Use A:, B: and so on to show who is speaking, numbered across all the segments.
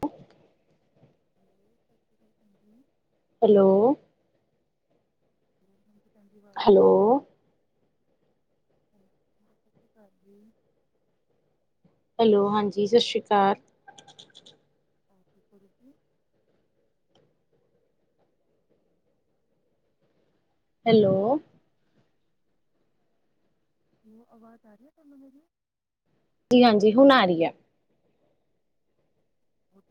A: ਕੁ
B: ਸਤਿ ਸ਼੍ਰੀ ਅਕਾਲ
A: ਹੈਲੋ,
B: ਹਾਂ ਭੈਣਜੀ ਵਾਜ ਆ ਰਹੀ ਹੈ।
A: ਹੈਲੋ,
B: ਸਤਿ ਸ਼੍ਰੀ ਅਕਾਲ ਜੀ,
A: ਹੈਲੋ, ਹਾਂਜੀ ਸਤਿ ਸ਼੍ਰੀ ਅਕਾਲ,
B: [inaudible]
A: ਹੈਲੋ,
B: ਉਹ ਆਵਾਜ਼ ਆ ਰਹੀ ਹੈ ਤੁਹਾਨੂੰ ਮੇਰੀ,
A: ਜੀ ਹਾਂਜੀ ਹੁਣ ਆ ਰਹੀ ਹੈ,
B: ਹੋ ਘਰ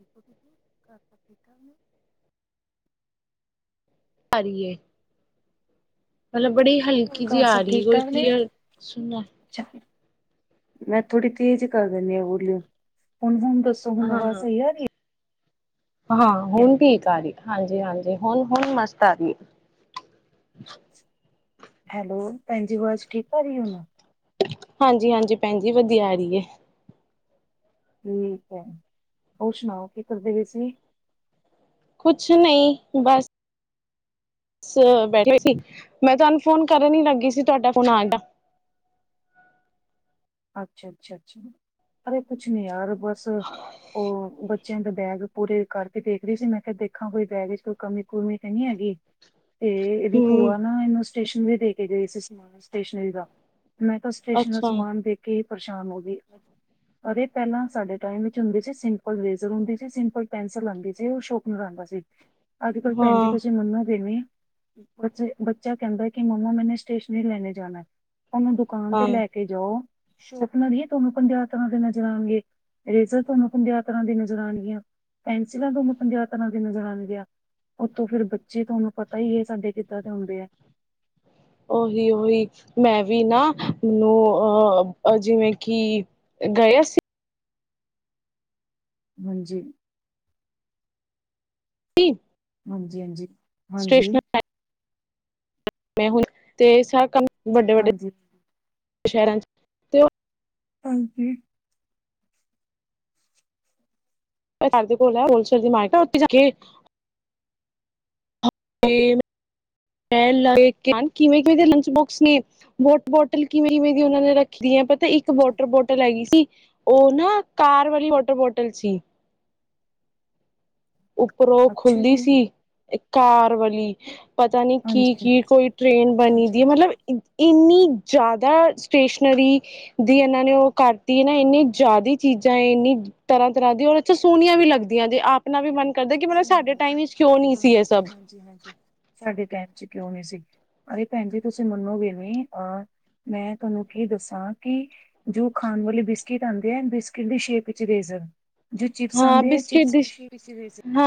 B: ਠੀਕ-ਠਾਕ ਨੇ,
A: ਕਰੀਏ, ਮਤਲਬ ਬੜੀ ਹਲਕੀ ਜਹੀ
B: ਘਰ
A: ਆ
B: ਸਭ
A: ਰਹੀ ਹੈ
B: ਠੀਕ
A: ਕੋਈ
B: ਠਾਕ ਨੇ
A: ਕਲੀਅਰ ਸੁਣਨਾ
B: ਅੱਛਾ, ਮੈਂ ਥੋੜੀ ਤੇਜ਼ ਕਰ ਦਿੰਦੀ ਆ ਬੋਲ ਹੁਣ-ਹੁਣ, ਦੱਸੋ ਹੁਣ ਆਵਾਜ
A: ਹਾਂ।
B: ਸਹੀ ਆ ਰਹੀ,
A: ਹਾਂ
B: ਹੈ
A: ਹੁਣ ਠੀਕ ਆ ਰਹੀ, ਹਾਂਜੀ-ਹਾਂਜੀ, ਹੁਣ-ਹੁਣ ਮਸਤ ਆ ਰਹੀ ਏ।
B: ਹੈਲੋ ਭੈਣਜੀ, ਆਵਾਜ਼ ਠੀਕ ਕਰ ਰਹੀ ਏ ਹੁਣ?
A: ਹਾਂਜੀ-ਹਾਂਜੀ ਭੈਣਜੀ, ਵਧੀਆ ਆ ਰਹੀ ਏ।
B: ਠੀਕ ਹੈ, ਹੋਰ ਸੁਣਾਓ, ਕੀ ਕਰਦੇ ਪਏ ਸੀ?
A: ਕੁਛ ਨਹੀਂ, ਬਸ। ਬੱਸ ਬੈਠੇ ਸੀ, ਮੈਂ ਤੁਹਾਨੂੰ ਫੋਨ ਕਰਨ ਹੀ ਲੱਗੀ ਸੀ, ਤੁਹਾਡਾ ਫ਼ੋਨ ਆ ਗਿਆ।
B: ਅੱਛਾ-ਅੱਛਾ-ਅੱਛਾ, ਅਰੇ ਕੁਛ ਨੀ ਯਾਰ ਬਸ ਉਹ ਬੱਚ ਬੱਚਿਆਂ ਦਾ ਬੈਗ ਪੂਰੇ ਕਰਕੇ ਦੇੇਖ ਰਹੀ ਸੀ। ਮੈਂ ਕਿਆ ਦੇਖਾਂ ਕੋਈ ਬੈਗ ਵਿੱਚ ਕੋਈ ਕਮੀ ਕੁਮੀ ਤੇ ਨਹੀਂ ਹੈਗੀ। ਤੇ ਇਹਦੀ
A: ਹੂੰ
B: ਭੂਆ ਨਾ ਇਹਨੂੰ ਸਟੇਸ਼ਨਰੀ ਦੇ ਕੇ ਗਏ ਸੀ, ਸਮਾਨ ਸਟੇਸ਼ਨਰੀ ਦਾ। ਮੈਂ ਤਾਂ ਸਟੇਸ਼ਨਰੀ ਦਾ
A: ਅੱਛਾ
B: ਸਮਾਨ ਦੇਖ ਕੇ ਹੀ ਪਰੇਸ਼ਾਨ ਹੋ ਗਈ। ਅਰੇ, ਪਹਿਲਾਂ ਸਾਡੇ ਟਾਈਮ ਵਿੱਚ ਹੁੰਦੇ ਸੀ ਸਿੰਪਲ ਈਰੇਜਰ ਹੁੰਦੀ ਸੀ, ਸਿੰਪਲ ਪੈਨਸਿਲ ਆਉਂਦੀ ਸੀ ਔਰ ਸ਼ੋਪਨਰ ਆਂਦਾ ਅੱਜ ਕੱਲ੍ਹ ਭੈਣ ਜੀ
A: ਹਾਂ।
B: ਤੁਸੀਂ ਮੰਨੋਗੇ ਨੀਂ ਬੱਚੇ, ਬੱਚਾ ਕਹਿੰਦਾ ਕਿ ਮੰਮਾ ਮੈਨੇ ਸਟੇਸ਼ਨਰੀ ਲੈਣੇ ਜਾਣਾ ਹੈ। ਓਨੂੰ ਦੁਕਾਨ ਤੇ
A: ਹਾਂ
B: ਲੈ ਕੇ ਜਾਓ, ਸ਼ੋਪਨਰ ਹੀ ਤੁਹਨੂੰ ਪੰਜਾਹ ਤਰ੍ਹਾਂ ਦੇ ਨਜ਼ਰ ਆਣਗੇ। ਇਰੇਜ਼ਰ ਤੁਹਾਨੂੰ ਪੰਜਾਹ ਤਰਾਂ ਦੀ ਨਜ਼ਰ ਆਣਗੀਆਂ, ਪੈਨਸਿਲਾਂ ਤੁਹਾਨੂੰ ਪੰਜਾਹ ਤਰਾਂ ਦੀ ਨਜ਼ਰ ਆਣਗੀਆਂ। ਉੱਤੋਂ ਫਿਰ ਬੱਚੇ ਤੁਹਾਨੂੰ ਪਤਾ ਹੀ ਏ ਸਾਡੇ ਕਿੱਦਾਂ ਦੇ ਹੁੰਦੇ ਐ।
A: ਓਹੀ-ਓਹੀ, ਮੈਂ ਵੀ ਨਾ, ਮੈਨੂੰ ਅਹ ਜਿਵੇਂ ਕਿ ਗਏ ਸੀ
B: ਹਾਂਜੀ
A: [unintelligible]
B: ਹਾਂਜੀ-ਹਾਂਜੀ, ਹਾਂਜੀ।
A: ਸਟੇਸ਼ਨਰੀ ਮੈਂ ਹੁਣ, [inaudible] ਤੇ ਸਾਰਾ ਕੰਮ, [inaudible] ਵੱਡੇ ਵੱਡੇ
B: ਹਾਂਜੀ,
A: [unintelligible] ਸ਼ਹਿਰਾਂ ਚ
B: ਹਾਂਜੀ
A: ਸਾਡੇ ਘਰ ਦੇ ਕੋਲ ਹੈ ਹੋਲਸੇਲ ਦੀ ਮਾਰਕਟ [inaudible] ਹੈ ਉੱਥੇ ਜਾ ਕੇ ਤੇ ਮੈ ਲੈ, [unintelligible] ਕਿਵੇਂ- ਕਿਵੇੇ ਦੇ ਲੰਚ ਬੋਕਸ ਨੇ, ਵੋਟਰ ਬੋਟਲ ਕਿਵੇਂ-ਕਿਵੇੇ ਦੀ ਉਹਨਾਂ ਨੇ ਰੱਖੀ ਦੀ [unintelligible] ਤੇ ਇੱਕ ਵੋਟਰ ਬੋਟਲ ਹੈਗੀ ਸੀ ਉਹ ਨਾ ਕਾਰ ਵਾਲੀ ਵਾਟਰ ਬੋਟਲ ਸੀ। ਉੱਪਰੋਂ
B: ਅੱਛਾ
A: ਖੁੱਲਦੀ
B: ਜੀ,
A: ਸੀ, ਕਾਰ ਵਾਲੀ ਪਤਾ ਨੀ ਕੀ-
B: ਹਾਂਜੀ,
A: ਕੀ, ਕੋਈ ਟ੍ਰੇਨ ਬਣੀ
B: ਹਾਂਜੀ, ਹਾਂਜੀ,
A: ਦੀ ਏ, ਮਤਲਬ ਇ ਇੰਨੀ ਜ਼ਿਆਦਾ ਸਟੇਸ਼ਨਰੀ ਦੀ ਇਹਨਾਂ ਨੇ ਉਹ ਕਰਤੀ ਨਾ, ਇੰਨੀ ਜ਼ਿਆਦਾ ਚੀਜ਼ ਜਾਂ ਇੰਨੀ ਤਰ੍ਹਾਂ-ਤਰ੍ਹਾਂ ਦੀ, ਔਰ ਅੱਛਾ ਸੋਹਣੀਆਂ ਵੀ ਲੱਗਦੀਆਂ
B: ਹਾਂਜੀ।
A: ਜੇ। ਆਪਣਾ ਵੀ ਮਨ ਕਰਦਾ ਕਿ
B: [inaudible]
A: ਮਤਲਬ ਸਾਡੇ ਟਾਈਮ ਵਿੱਚ ਕਿਉਂ ਨਹੀਂ ਸੀ ਇਹ ਸਭ
B: ਸਾਡੇ ਟੈਮ ਕਿਉਂ ਨਹੀਂ ਸੀ, ਅਰੇ ਭੈਣ ਜੀ ਤੁਸੀਂ ਮੰਨੋਗੇ ਨੀ, ਅ ਮੈਂ ਤੁਹਾਨੂੰ ਕੀ ਦੱਸਾਂ, ਕਿ ਜੋ ਖਾਣ ਵਾਲੇ ਬਿਸਕਿਟ ਆਉਂਦੇ ਆ ਬਿਸਕਿਟ ਦੀ ਸ਼ੇਪ ਵਿੱਚ ਇਰੇਜ ਰ, ਜੋ ਚਿਪਸ ਆਂਦੇ ਆ ਚਿਪਸ ਦੀ ਸ਼ੇਪ ਚ ਇਰੇਜ਼ਰ।
A: ਹੰ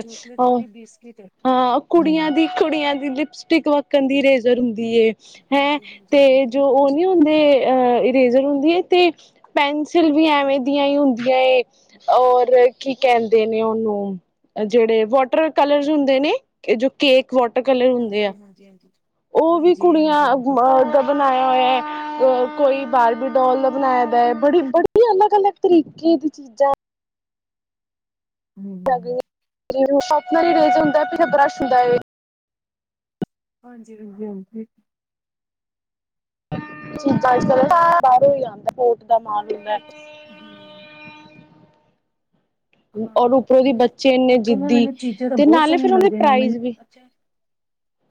B: ਚੋਕਲੇਟ ਵਾਲੀ ਬਿਸਕਿ
A: ਹਾਂ ਕੁੜੀਆਂ ਦੀ ਕੁੜੀਆਂ ਦੀ ਲਿਪਸਟਿਕ ਵੱਕਣ ਦੀ ਇਰੇਜ਼ਰ ਹੁੰਦੀ। ਹੈਂ,
B: ਹਾਂਜੀ, ਹਾਂਜੀ,
A: ਤੇ
B: ਹਾਂਜੀ,
A: ਜੋ ਉਹ
B: ਹਾਂਜੀ,
A: ਨੀ ਹੁੰਦੇ ਅਹ ਇਰੇਜਰ ਹੁੰਦੇ [unintelligible] ਤੇ ਪੈਨਸਿਲ ਵੀ ਐਵੇਂ ਦੀਆਂ ਹੀ ਹੁੰਦੀਆਂ ਏ। ਔਰ ਕੀ ਕਹਿੰਦੇ ਨੇ ਉਹਨੂੰ, ਜਿਹੜੇ ਵਾਟਰ ਕਲਰ ਹੁੰਦੇ ਨੇ, ਜੋ ਕੇਕ ਵਾਟਰ ਕਲਰ ਹੁੰਦੇ ਆ।
B: ਹਾਂਜੀ, ਹਾਂਜੀ।
A: ਉਹ ਵੀ
B: ਹਾਂਜੀ,
A: ਕੁੜੀਆਂ
B: ਹਾਂਜੀ,
A: [unintelligible] ਅ
B: ਹਾਂਜੀ,
A: ਗ ਬਣਾਏ ਕੋਈ ਬਾਰਬੀ ਡੋਲ ਦਾ ਬਣਾਇਆ ਦੈ ਅਲੱਗ-ਅਲੱਗ ਤਰੀਕੇ ਦੀ ਚੀਜ਼ਾਂ
B: [inaudible]
A: ਸ਼ੋਪਨਰ ਵੀ [inaudible] ਹੁੰਦਾ ਪਿੱਛੇ ਬਰੱਸ਼ ਹੁੰਦਾ ਏ
B: ਹਾਂਜੀ, [unintelligible] ਅੱਛਾ ਪਤਾ ਕੀ ਹੈ, ਹਮ
A: [inaudible]
B: [inaudible]
A: ਔਰ ਉੱਪਰੋਂ ਦੀ
B: [unintelligible]
A: ਬੱਚੇ ਇੰਨੇ
B: ਇੱਥੋਂ ਨਾ,
A: ਜਿੱਦੀ
B: ਮੈਨੂੰ ਚੀਜਾਂ ਤਾਂ
A: ਤੇ
B: ਬੋਤ
A: ਨਾਲੇ
B: ਸੋਣੀਆਂ
A: ਫਿਰ ਉਹਦੇ
B: ਲੱਗਦੀਆਂ ਨੇ
A: ਪ੍ਰਾਈਜ਼
B: ਮੈਨੂੰ
A: ਵੀ
B: ਹਾਂਜੀ,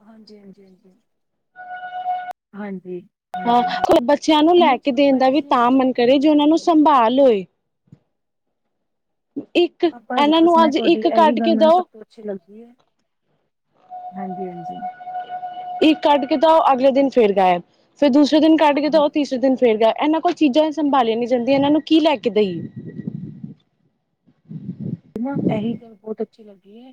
B: ਹਾਂਜੀ ਹਾਂਜੀ, ਹਾਂਜੀ,
A: ਹਾਂ
B: ਨੀ
A: ਬੱਚਿਆਂ ਨੂੰ ਲੈ ਕੇ ਦੇਣ ਦਾ ਵੀ ਤਾਂ ਮਨ ਕਰੇ ਜੇ ਉਹਨਾਂ ਨੂੰ ਸੰਭਾਲ ਹੋਏ
B: [inaudible] [inaudible]
A: ਇੱਕ
B: ਬਸ
A: ਇਹਨਾਂ
B: ਬਸ
A: ਨੂੰ
B: ਮੈਂ
A: ਅੱਜ
B: ਤੁਹਾਡੀ
A: ਇੱਕ
B: ਐਹੀ
A: ਕੱਢ
B: ਗੱਲ
A: ਕੇ
B: ਮੈਨੂੰ ਸਭ
A: ਦਓ
B: ਤੋਂ ਅੱਛੀ ਲੱਗ ਹਾਂਜੀ, ਹਾਂਜੀ
A: ਇੱਕ ਕੱਡ ਕੇ ਦੋ ਅਗਲੇ ਦਿਨ ਫਿਰ ਗਾਇਬ, ਫਿਰ ਦੂਸਰੇ ਦਿਨ ਕਡ ਕੇ
B: ਹਾਂ
A: ਦੋ ਤੀਸਰੇ ਦਿਨ ਫਿਰ ਗਾਇਬ ਏਨਾਂ ਕੋਲ ਚੀਜਾ ਸੰਭਾਲੀਆਂ ਨੀ ਜਾਂਦੀਆਂ, ਏਨਾਂ ਨੂੰ ਕੀ ਲੈ ਕੇ ਦਈਏ
B: ਇਹੀ ਗੱਲ ਬੋਹੁਤ ਅੱਛੀ ਲਗਿ ਹੈ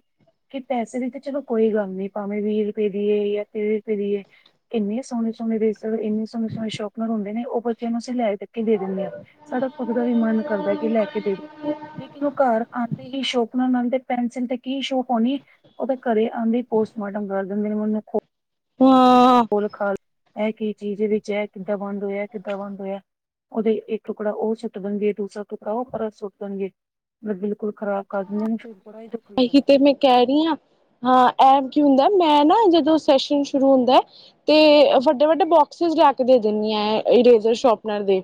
B: ਕਿ ਪੈਸੇ ਦੀ ਤਾਂ ਚਲੋ ਕੋਈ ਗੱਲ ਨੀ, ਭਾਵੇਂ ਵੀਰ ਰਪੇ ਦੀ ਯਾ ਤੀਰ ਰਪੇ ਦੀਏ ਕਿੰਨੀ ਸੋਣੀ ਈਰੇਜ਼ਰ ਏਨੇ ਸੋਨੇ ਸੋਨੇ ਸ਼ਰਪਨਰ ਹੁੰਦੇ ਹੈ ਓਹ ਬੱਚੇ ਨੂੰ ਅਸੀ ਲੈ ਲ ਕੇ ਦੇ ਦਿੰਨੇ ਆਂ, ਸਾਡਾ ਖੁਦ ਦਾ ਵੀ ਮਨ ਕਰਦਾ ਕਿ ਲੈ ਕੇ ਦੇ ਦੋ ਲੇਕਿਨ ਓ ਘਰ ਕੀ ਸ਼ੋਪਨਰ ਨਾਲ ਤੇ ਪੈਨਸਿਲ ਤੇ ਕੀ ਸ਼ੋਪ ਹੋਨੀ, ਓ ਤਾ ਘਰੇ ਆਂਦੇਈ ਪੋਸਟਮਾਰਟਮ ਕਰ ਦਿੰਦੇ ਨੇ, ਮੈਨੂੰ ਖੋ
A: ਹਾਂ
B: ਲ ਖਾਲ ਏ ਕੀ ਚੀਜ ਵਿੱਚ, ਐ ਕਿਦਾ ਬੰਦ ਹੋਏਆ, ਕਿੱਦਾਂ ਬੰਦ ਹੋਏਆ ਓਦੇ ਇੱਕ ਟੁਕੜਾ ਓ ਸੁੱਟ ਦੇਨਗੇ, ਦੂਸਰਾ ਟੁਕੜਾ ਓ ਪਰਾ ਸੁੱਟ ਦੇਨਗੇ ਲੱਗੇ
A: ਏਹੀ ਤੇ ਮੇ ਕੈ ਰਈ ਆਂ, ਹਾਂ ਐ ਕੀ ਹੁੰਦਾ ਮੈਂ ਨਾ ਜਦੋਂ ਸੈਸ਼ਨ ਸ਼ੁਰੂ ਹੁੰਦੈ, ਤੇ ਵੱਡੇ ਵੱਡੇ ਬੋਕਸੇਸ ਲਾ ਕੇ ਦੇ ਦਿੰਨੀ ਆਂ ਐ ਇਰੇਜ਼ਰ ਸ਼ੋਪਨਰ ਦੇ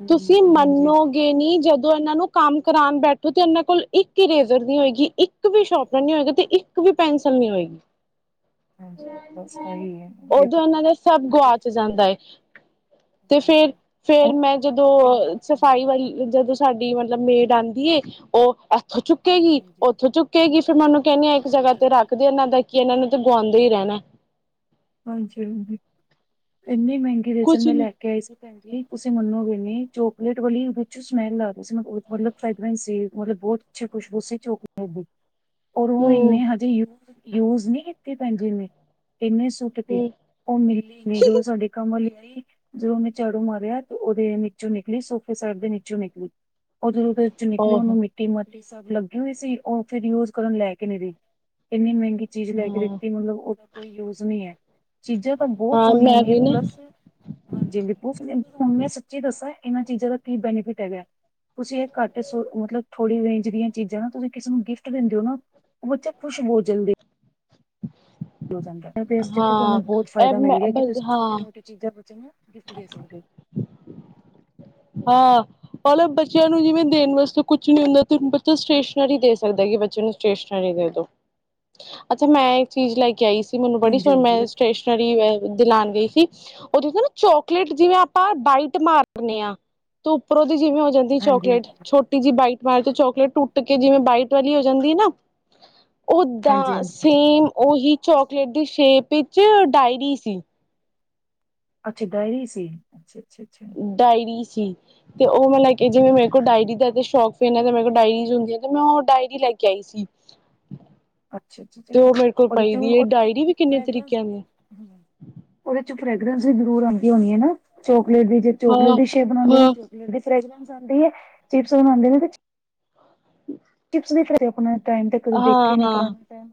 B: ਹਮ
A: ਤੁਸੀ
B: ਹਮ ਹਾਂਜੀ
A: ਮੰਨੋਗੇ ਨੀ, ਜਦੋ ਏਨਾਂ ਨੂੰ ਕੰਮ ਕਰਾਨ ਬੈਠ ਤੇ ਏਨਾਂ ਕੋਲ ਇੱਕ ਵੀ ਇਰੇਜ਼ਰ ਨੀ ਹੋਏਗੀ, ਇੱਕ ਵੀ ਸ਼ੋਪਨਰ ਨੀ ਹੋਏਗਾ, ਤੇ ਇੱਕ ਵੀ ਪੈਨਸਲ ਨਈ ਹੋਏਗੀ।
B: ਹਾਂਜੀ, ਬਸ ਐਈ ਐ ਜੇ
A: ਉਦੋਂ
B: [inaudible]
A: ਇਹਨਾਂ ਦਾ ਸਭ ਗੁਆਚ ਜਾਂਦਾ ਤੇ ਫੇਰ, ਫੇਰ
B: ਉਹੀ ਹਾਂਜੀ
A: ਮੈਂ ਜਦੋਂ
B: ਹਾਂਜੀ
A: ਅ ਅ ਸਫ਼ਾਈ ਵਾਲੀ ਜਦੋਂ ਸਾਡੀ ਮਲਬ ਮੇਡ ਆਂਦੀ ਏ ਓ ਓ ਚੁੱਕੇਗੀ,
B: ਹਾਂਜੀ
A: ਓਥੋਂ ਚੁੱਕੇਗੀ, ਫੇਰ ਮੈ ਅਨੂੰ ਕੈਂਦੀ ਆਂ ਇੱਕ ਜਗਾ ਤੇ ਰੱਖਦੇ। ਏਨਾਂ ਦਾ ਕੀ ਐ ਏਨਾਂ ਨੂੰ ਤੇ ਗੁਆਂਦੇ ਈ ਰੈਨਾ
B: ਹਾਂਜੀ, ਹਾਂਜੀ ਏਨੀ ਮੈਂਗੀ ਈਰੇਜ਼ਰ
A: ਕੁਛ
B: ਮੈਂ
A: ਨੀ
B: ਲੈ ਕੇ ਆਈ ਸੀ ਭੈਨਜੀ ਤੁਸੀਂ ਮੰਨੋ ਗੇ ਨੀ, ਚੋਕਲੇਟ ਵਾਲੀ ਊਦ ਚ ਸਮੇਲ ਆਰੀ ਸੀ, ਮਤਲਬ ਫਰੇਗੰਨੇਸ ਸੀ ਮਤਲਬ ਬੋਤ ਅੱਛੀ ਖੁਸ਼ਬੂ ਸੀ ਚੋਕਲੇਟ ਦੀ। ਔਰ ਓਂਵ
A: ਹੂੰ
B: ਇੰਨੇ ਹਜੇ ਯੂ ਯੂਜ਼ ਨਹੀਂ ਕੀਤੀ, ਭੈਨਜੀ ਓਨੇ ਇੰਨੇ ਸੋ
A: ਹੂੰ
B: ਓਨੁ ਮਿਲਗੀ, ਨੀ ਤੇ ਸਾਡੇ ਕੰਮ ਵਾਲੀ ਨੇ ਜਦੋ ਓਨੇ ਝਾੜੂ ਮਾਰੇਯਾ, ਤੇ ਓਦੇ ਨਿਚੋ ਨਿਕਲੀ ਸੋਫੇ ਸੈਟ ਦੇ ਨੀਚੋ ਨਿਕਲੀ। ਓਦਰੋ ਚ ਨਿਕਲੀ
A: ਆਹੋ
B: ਓਨੂੰ ਮਿੱਟੀ [inaudible] ਸਬ ਲੱਗੀ ਹੋਈ ਸੀ, ਓ ਫਿਰ ਯੂਜ਼ ਕਰਨ, ਲੈਕ ਈ ਨੀ ਰਈ। ਏਨੀ ਮੈਂਗੀ ਚੀਜ ਲੈ ਕੇ
A: ਹਾਂ
B: ਦਿੱਤੀ ਮਤਲਬ ਓਦਾ ਕੋਈ ਯੂਜ ਨਈ ਐ ਚੀਜਾ ਤਾ ਬੋਤ
A: ਹਾਂ
B: ਸੋਣੀਆਂ
A: ਮੈਂ
B: ਨੇ,
A: ਵੀ ਨਾ
B: ਪਲੱਸ ਹਾਂਜੀ ਜਿਵੇ ਦੀ ਬਹੁਤ ਸੁਣੀਆਂ ਹੁਣ ਮੈਂ ਸੱਚੀ ਦੱਸਾਂ ਈਨਾਂ ਚੀਜਾ ਦਾ ਕੀ ਬੈਨੀਫਿਟ ਹੈਗਾ ਤੁਸੀਂ ਏ ਘੱਟ ਸ ਮਤਲਬ ਥੋੜੀ ਰੇਂਜ ਦੀਆਂ ਚੀਜ਼ਾਂ ਨਾ, ਤੁਸੀਂ ਕਿਸੇ ਨੂੰ ਗਿਫਟ ਦਿੰਦੇ ਓ ਨਾ ਓ ਬੱਚੇ ਖੁਸ਼ ਹੋ ਜਾਂਦੇ ਏਸ ਤਰੀਕੇ ਤੁਆਨੂੰ
A: ਹਾਂ
B: ਬੋ
A: ਇਹ
B: ਫੈਦਾ
A: ਮੈਂ
B: ਮਿਲ ਗਿਆ, ਕਿ
A: ਬਸ
B: ਤੁਸੀਂ ਛੋਟੀ
A: ਹਾਂ
B: ਮੋਟੀ ਚੀਜ਼ਾਂ ਨੂੰ ਫੇਰਨਾ ਗਿਫਟ ਦੇ ਸਕਦੇ ਓ।
A: ਹਾਂ। ਮਨਲੋ ਬੱਚੇਆਂ ਨੂੰ ਜਿਵੇਂ ਦੇਨ ਵਾਸਤੇ ਕੁਛ ਨੀ ਹੁੰਦਾ, ਤੇ ਬੱਚਾ ਸਟੇਸ਼ਨਰੀ ਦੇ ਸਕਦਾ ਏ ਬੱਚੇ ਨੂੰ। ਸਟੇਸ਼ਨਰੀ ਦੇ ਦੋ। ਅੱਛਾ ਮੈਂ ਇੱਕ ਚੀਜ਼ ਲੈ ਕੇ ਆਈ ਸੀ ਮੈਨੂੰ ਬੜੀ
B: ਹਾਂਜੀ
A: ਸੋਨ
B: ਹਾਂਜੀ।
A: ਨਈਸ ਸਟੇਸ਼ਨਰੀ ਲਿਆਂਦੀ ਸੀ, ਓਦੇ ਤੇ ਨਾ ਚੋਕਲੇਟ ਜਿਵੇਂ ਆਪਾਂ ਬਾਈਟ ਮਾਰ ਦੀਨੇਂ ਆ ਤੇ ਉੱਪਰੋਂ ਜਿਵੇਂ ਹੋ ਜਾਂਦੀ
B: ਹਾਂਜੀ
A: ਚੋਕਲੇਟ
B: ਹਾਂਜੀ
A: ਛੋਟੀ ਜੀ ਬਾਈਟ ਮਾਰ ਤੋਂ ਚੋਕ ਟੁੱਟ ਕੇ ਜਿਵੇਂ ਬਾਈਟ ਵਾਲੀ ਹੋ ਜਾਂਦੀ ਨਾ,
B: ਹਾਂਜੀ
A: ਓਦਾਂ
B: ਹਾਂਜੀ ਹਾਂਜੀ
A: ਸੇਮ ਓਹੀ ਚੋਕਲੇਟ ਦੀ ਸ਼ੇਪ ਵਿੱਚ ਡਾਇਰੀ ਸੀ।
B: ਅੱਛਾ ਗਈ ਸੀ ਅੱਛਾ ਅੱਛਾ ਅੱਛਾ।
A: ਡਾਇਰੀ ਤੇ ਉਹ ਮੈਂ ਲੈ ਕੇ ਜਿਵੇਂ ਮੇਰੇ ਕੋਲ ਡਾਇਰੀ ਦਾ ਸ਼ੋਕ ਸੀ ਨਵੀਂ- ਨਵੀਂ ਡਾਇਰੀਜ਼ ਹੁੰਦੀ ਆ ਤੇ ਮੈਂ ਉਹ ਡਾਇਰੀ ਲੈ ਕੇ ਆਈ ਸੀ।
B: ਅੱਛਾ ਅੱਛਾ
A: ਤੇ ਉਹ ਮੇਰੇ ਕੋਲ
B: ਉਹਦੇ
A: ਪਈ
B: ਚ
A: ਦੀ ਇਹ
B: ਉਹਦੇ ਚੋ
A: ਡਾਇਰੀ ਵੀ ਕਿੰਨੇ
B: ਫਰਾਗਰਾਂਸ
A: ਤਰੀਕਿਆਂ ਦੀ
B: ਉਹਦੇ ਚ ਫੇਗਰੈਂਸ ਵੀ ਜ਼ਰੂਰ ਆਉਂਦੀ ਹੋਣੀ ਨਾ ਚੋਕਲੇਟ ਦੀ ਜੇ ਚੋਕਲੇਟ
A: ਹਾਂ
B: ਦੀ ਸ਼ੇਪ ਬਣਾਉਂਦੇ ਨੇ
A: ਹਾਂ
B: ਚੋਕਲੇਟ ਦੀ ਫਗਰੈਂਸ ਕੇਂਦੇ ਚਿਪਸ ਬਣਾਉਂਦੇ ਨੇ ਤੇ ਫਿਰ ਆਪਣੇ ਟਾਈਮ ਤੇ ਕਦੇ
A: ਹਾਂ
B: ਦੇਖੇ ਨੀ
A: ਹਾਂ
B: ਪੁਰਾਣੇ ਟਾਈਮ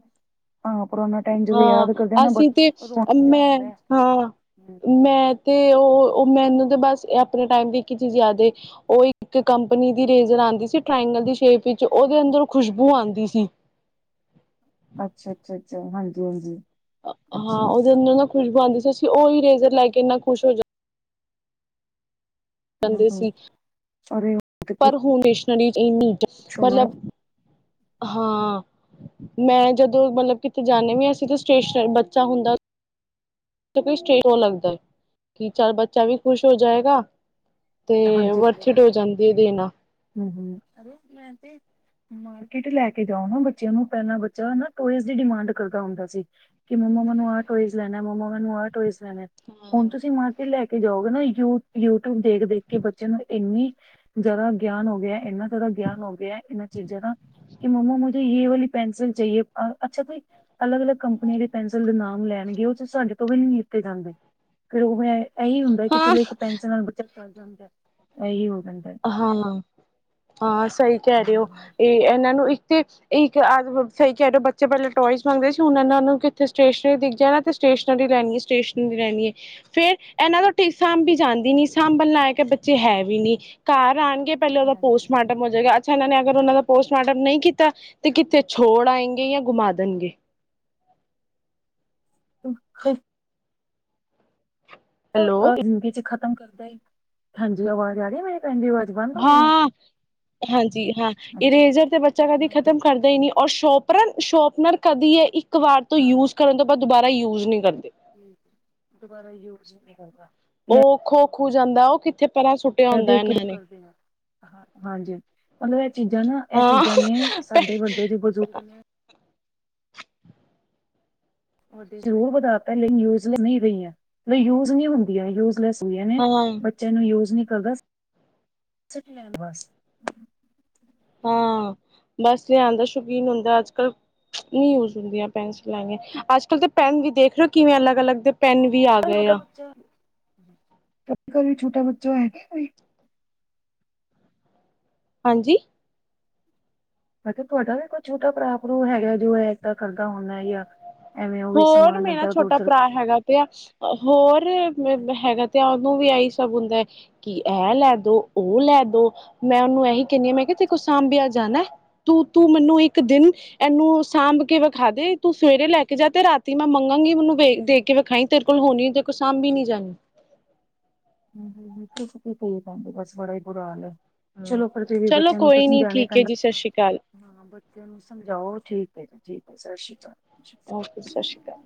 B: ਪੁਰਾਣਾ ਟਾਈਮ ਜਦੋਂ
A: ਹਾਂ
B: ਯਾਦ ਕਰਦੇ ਆ ਨਾ
A: ਅਸੀਂ
B: ਬੜਾ
A: ਤੇ
B: ਰੋਣਾ ਜਿਹਾ
A: ਮੈਂ
B: ਆਉਂਦਾ
A: ਹਾਂ
B: ਹੈ।
A: ਮੈਂ ਤੇ ਉਹ ਉਹ ਮੈਨੂੰ ਤੇ ਬਸ ਆਪਣੇ ਟਾਈਮ ਦੀ ਇੱਕ ਹੀ ਚੀਜ਼ ਯਾਦ ਉਹ ਇੱਕ ਕੰਪਨੀ ਦੀ ਰੇਜਰ ਆਉਂਦੀ ਸੀ ਦੀ ਸ਼ੇਪ ਵਿੱਚ ਉਹਦੇ ਅੰਦਰ ਖੁਸ਼ਬੂ ਆਉਂਦੀ ਸੀ
B: ਅੱਛਾ ਅੱਛਾ ਅੱਛਾ ਹਾਂਜੀ ਹਾਂਜੀ
A: ਹਾਂ
B: ਅੱਛਾ
A: ਉਹਦੇ ਅੰਦਰ ਨਾ ਖੁਸ਼ਬੂ ਆਉਂਦੀ ਸੀ ਅਸੀਂ ਉਹ ਹੀ ਇਰੇਜ਼ਰ ਲੈ ਕੇ ਮੈਂ ਖੁਸ਼ ਹੋ ਜਾਂ
B: ਹੂੰ
A: ਜਾਂਦੇ
B: ਹੂੰ
A: ਸੀ
B: ਅਰੇ ਉਹ ਤੇ
A: ਪਰ ਹੁੈਣ [unintelligible]
B: ਪੁੱਛੋ ਨਾ
A: ਮਤਲਬ ਹਾਂ ਮੈਂ ਜਦੋਂ ਮਤਲਬ ਕਿਤੇ ਜਾਂਦੇ ਵੀ ਅਸੀਂ ਤਾਂ [unintelligible] ਬੱਚਾ ਹੁੰਦਾ। ਲੱਗਦਾ ਹੈ ਕਿ ਚੱਲ ਬੱਚਾ ਵੀ ਖੁਸ਼ ਹੋ ਜਾਏਗਾ। ਤੇ
B: ਹਾਂਜੀ
A: ਵਰਥਿਟ ਹੋ ਜਾਂਦੀ ਹੈ ਦੇਣਾ।
B: ਹੂੰ-ਹੂੰ। ਅਰੇ ਮੈ ਤੇ ਮਾਰਕਿਟ ਲੈ ਕੇ ਜਾਓ ਨਾ ਬੱਚਿਆਂ ਨੂੰ ਪਹਿਲਾਂ ਬੱਚਾ ਨਾ ਟੋਇਜ਼ ਦੀ ਡਿਮਾਂਡ ਕਰਦਾ ਹੁੰਦਾ ਸੀ ਕਿ ਮੱਮਾ ਮੈਨੂੰ ਇਹ ਟੋਏਜ਼ ਲੇਣਾ ਮੰਮਾ ਮੈਨੂੰ ਇਹ ਟੋਏਜ਼ ਲੇਣਾ ਹੁਣ ਤੁਸੀਂ ਮਾਰਕੀਟ ਲੈ ਕੇ ਜਾਓਗੇ ਨਾ ਯੂਟਿਊਬ ਦੇਖ ਦੇਖ ਕਿ ਬੱਚੇ ਨੂੰ ਇੰਨੀ ਜ਼ਿਆਦਾ ਗਿਆਨ ਹੋ ਗਿਆ ਇਨਾ ਜ਼ਿਆਦਾ ਗਿਆਨ ਹੋ ਗਿਆ ਇਹਨਾਂ ਚੀਜ਼ਾਂ ਦਾ ਕਿ ਮੰਮਾ ਮੁਝੇ ਯੇ ਵਾਲੀ ਪੈਨਸਿਲ ਚਾਹੀਏ ਅੱਛਾ ਅਲਗ ਅਲਗ ਕੰਪਨੀ ਵਾਲੀ ਪੈਨਸਿਲ ਦੇ ਨਾਮ ਲੈ ਜੋਂ ਉਹ ਚ ਸਾਡੇ ਤੋਂ ਵੀ ਨੀ ਲੀਤੇ ਜਾਂਦੇ ਫੇਰ ਉਹ ਮੈਂ ਇਹੀ ਹੁੰਦਾ ਕਿ
A: ਹਾਂ
B: ਚਲੋ ਇੱਕ ਪੈਨਸਿਲ ਨਾਲ ਬੱਚਾ ਟਲ ਜਾਂਦਾ ਇਓ
A: ਹਾਂ ਹਾਂ ਸਹੀ ਕਹਿ ਰਹੇ ਹੋ
B: ਜਾਂਦਾ।
A: ਇਹ ਇਹਨਾਂ ਨੂੰ ਇੱਕ ਤੇ ਇੱਕ ਸਹੀ ਕਹਿ ਰਯੋ ਬੱਚੇ ਪਹਿਲੇ ਟੋਇਜ਼ ਮੰਗਦੇ ਸੀ ਹੁਣ ਇਹਨਾਂ ਨੂੰ ਇੱਥੇ ਸਟੇਸ਼ਨਰੀ ਦਿਖ ਜਾਣਾ ਤੇ ਸਟੇਸ਼ਨਰੀ ਲੈਣੀਏ ਸਟੇਸ਼ਨਰੀ ਲੈਣਗੇ ਹੈ ਫੇਰ ਇਹਨਾਂ ਦਾ ਸਾਂਭੀ ਜਾਂਦੀ ਨੀ
B: ਹੈ
A: ਸਾਂਭਣ ਲਾਇਕ ਏ ਬੱਚੇ ਹੈ ਵੀ ਨੀ ਘਰ ਆਣ ਕੇ ਪਹਿਲੇ ਉਹਦਾ
B: ਨਹੀਂ ਹੈ।
A: ਪੋਸਟਮਾਰਟਮ ਹੋ ਜਾਏਗਾ ਅੱਜ ਇਹਨਾਂ ਨੇ ਅਗਰ ਉਹਨਾਂ ਦਾ ਪੋਸਟਮਾਰਟਮ ਨਹੀਂ ਕੀਤਾ ਤੇ ਕਿੱਥੇ ਛੋੜ ਆਏਂਗੇ ਜਾਂ ਗੁਮਾ ਦੇਣਗੇ।
B: [unintelligible]
A: ਹੈਲੋ
B: ਏਨੀ ਦੇਰ ਚ ਖ਼ਤਮ ਕਰਦਾ ਏ ਹਾਂਜੀ ਆਵਾਜ਼ ਆ ਰਹੀ ਹੈ ਮੇਰੀ ਇੰਦੀ ਆਵਾਜ਼ ਬੰਦ ਹੋ ਗਈ ਹੈ।
A: ਹਾਂ ਹਾਂਜੀ ਹਾਂ
B: ਅੱਛਾ ਜੀ
A: ਇਰੇਜਰ ਤੇ ਬੱਚਾ ਕਦੇ
B: ਮੈਂ
A: ਖ਼ਤਮ
B: ਕਿਹਾ
A: ਕਰਦਾ ਹੀ ਨਹੀਂ ਔਰ ਸ਼ੋਪ ਪਰ ਸ਼ੋਪਨਰ ਕਦੀ ਹੈ ਇੱਕ ਵਾਰ ਤੋਂ
B: ਹਾਂ
A: ਯੂਜ਼ ਕਰਨ ਤੋਂ ਬਾਦ ਦੁਬਾਰਾ ਯੂਜ਼ ਨਹੀਂ ਕਰਦੇ।
B: ਦੁਬਾਰਾ ਯੂਜ ਹੀ ਨ ਕਰਦਾ।
A: ਉਹ ਖੋ ਖੂ ਜਾਂਦਾ ਉਹ ਕਿੱਥੇ ਪਰਾਂ ਸੁੱਟਿਆ
B: ਮੈਂ
A: ਹੁੰਦਾ
B: ਦੇਖ ਕੇ
A: ਇਹਨਾਂ
B: ਤੈਨੂੰ
A: ਨੇ
B: ਕਰਦੀ ਹਾਂ ਹਾਂ ਹਾਂਜੀ ਮਤਲਬ ਇਹ ਚੀਜ਼ਾਂ ਨਾ ਇਹ
A: ਹਾਂ
B: ਚੀਜ਼ਾਂ ਨੇ ਸਾਡੇ ਵੱਡੇ ਜੋ ਬਜ਼ੁਰਗ ਨੇ ਜ਼ਰੂਰ ਵਧਾ ਤਾਂ ਲੇਕਿਨ ਯੁਜ ਰਹੀ ਰਹੀਆਂ ਨਹੀਂ ਯੂਜ ਨਹੀਂ ਹੁੰਦੀਆਂ ਯੂਜ ਲੈਸ ਹੁੰਦੀਆਂ ਨੇ
A: ਹਾਂ
B: ਬੱਚਿਆਂ ਨੂੰ ਯੂਜ ਨਿ ਅਗਸਤ [unintelligible]
A: ਹਾਂ ਬਸ ਲਿਆਂਨ ਦਾ ਸ਼ੌਕੀਨ ਹੁੰਦਾ ਅੱਜ ਕੱਲ ਨਹੀਂ ਯੂਜ ਹੁੰਦੀਆਂ ਪੇਂਸਲਾ ਐਵੇਂ ਅੱਜ ਕੱਲ ਤੇ ਪੈਨ ਵੀ ਦੇਖ ਲਓ ਕਿਵੇਂ ਅਲੱਗ ਅਲੱਗ ਦੇ ਪੈਨ ਵੀ ਆ ਗਏ ਆ।
B: ਤੁਹਾਡੇ ਘਰ ਵੀ ਛੋਟਾ ਬੱਚਾ ਹੈਗਾ ਕੋਈ
A: ਹਾਂਜੀ
B: ਮੈ ਕਿਹਾ ਤੁਹਾਡਾ ਵੀ ਕੋਈ ਛੋਟਾ ਭਰਾ ਭਰੁ ਹੈਗਾ ਜੋ ਹੈ ਏਦਾਂ ਕਰਦਾ ਹੁੰਦਾ ਯ
A: ਹੋਰ ਮੇਰਾ ਛੋਟਾ ਭਰਾ ਹੈਗਾ ਤੇ ਆ ਹੋਰ ਹੈਗਾ ਤੇ ਆ ਵੀ ਇਹੀ ਸਭ ਹੁੰਦਾ ਹੈ ਕਿ ਇਹ ਲੈ ਦੋ ਉਹ ਲੈ ਦੋ ਮੈਂ ਉਹਨੂੰ ਇਹੀ ਕਿੰਨੀ ਮੈਂ ਕਿਹਾ ਤੇ ਕੁ ਸੰਬੀਆਂ ਜਾਣਾ ਤੂੰ ਤੂੰ ਮੈਨੂੰ ਇਕ ਦਿਨ ਇਹਨੂੰ ਸਾਂਭ ਕੇ ਵਿਖਾ ਦੇ ਤੂੰ ਸਵੇਰੇ ਲੈ ਕਿ ਜਦ ਤੇ ਰਾਤੀ ਮੈਂ ਮੰਗਾਂਗੀ ਮੈਨੂੰ ਵੇਖ ਦੇਖ ਕੇ ਵੇਖਾਈ ਤੇਰੇ ਕੋਲ ਹੋਣੀ ਕੋਲ ਸਾਂਭੀ ਨੀ ਜਾਣੀ
B: [inaudible] ਬਸ ਬੜਾ ਹੀ ਬੁਰਾ ਹਾਲ ਹੈ। ਚਲੋ ਪਰ ਫਿਰ ਵੀ
A: ਚਲੋ
B: ਬੱਚਿਆਂ ਨੂੰ ਤਾਂ
A: ਕੋਈ ਨੀ
B: ਸਮਝਾਣੇ
A: ਠੀਕ ਹੈ
B: ਪੈਂਦਾ
A: ਜੀ ਸਤਿ ਸ਼੍ਰੀ ਅਕਾਲ
B: ਤੇ ਉਹਨੂੰ ਸਮਝਾਓ ਠੀਕ ਹੈ। ਜੀ ਠੀਕ ਹੈ। ਸਤਿ ਸ਼੍ਰੀ ਅਕਾਲ।
A: ਓਕੇ ਸਤਿ ਸ਼੍ਰੀ ਅਕਾਲ।